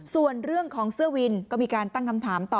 ส่วนเรื่องของเสื้อวินก็มีการตั้งคำถามต่อ